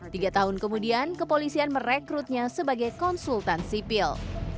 tiga tahun kemudian kepolisian merekrutnya sebagai konsultan sipil